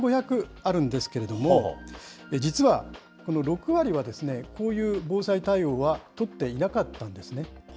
あるんですけれども、実はこの６割は、こういう防災対応は取っていなかったんですね。